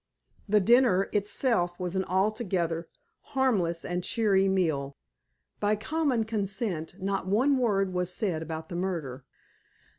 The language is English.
The dinner itself was an altogether harmless and cheery meal. By common consent not one word was said about the murder.